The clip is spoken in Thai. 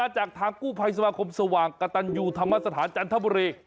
จากทางกู้ภัยสมาคมสว่างกะตันอยู่ธรรมสถานจันทร์ธรรมเรศ